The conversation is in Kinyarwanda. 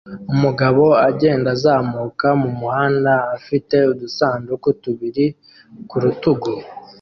Umugabo agenda azamuka mumuhanda afite udusanduku tubiri ku rutugu